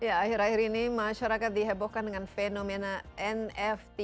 ya akhir akhir ini masyarakat dihebohkan dengan fenomena nft